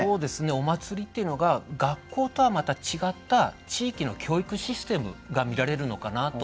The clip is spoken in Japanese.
お祭りっていうのが学校とはまた違った地域の教育システムが見られるのかなと思うんですね。